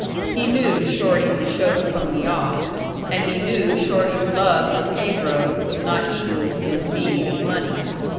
He knew Shorty would show the pony off, and he knew Shorty's love for Pedro was not equal to his need of money.